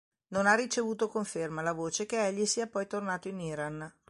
Non ha ricevuto conferma la voce che egli sia poi tornato in Iran.